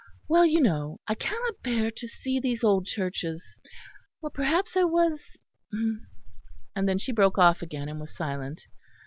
Well, you know I cannot bear to see these old churches well, perhaps I was " and then she broke off again, and was silent.